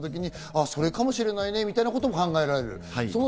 それかもしれないねみたいなことも考えられる。